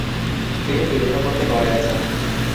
তিনি তীর্থ করতে গয়ায় যান।